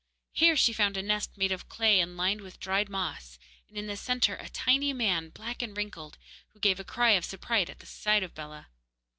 Here she found a nest made of clay and lined with dried moss, and in the centre a tiny man, black and wrinkled, who gave a cry of surprise at the sight of Bellah.